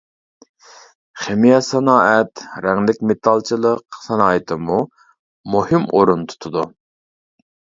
خىمىيە سانائەت، رەڭلىك مېتالچىلىق سانائىتىمۇ مۇھىم ئورۇن تۇتىدۇ.